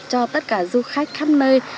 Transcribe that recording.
cho tất cả du khách khắp nơi